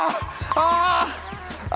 ああ！